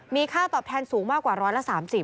มีค่าตอบแทนสูงมากกว่าร้อยละ๓๐